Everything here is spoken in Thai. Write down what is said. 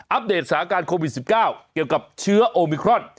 เดตสถานการณ์โควิด๑๙เกี่ยวกับเชื้อโอมิครอน